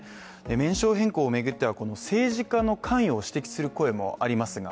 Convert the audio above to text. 名称変更を巡っては政治家の関与を指摘する声がありますが。